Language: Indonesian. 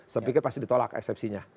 saya pikir pasti ditolak eksepsinya